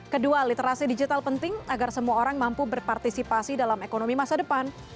kedua literasi digital penting agar semua orang mampu berpartisipasi dalam ekonomi masa depan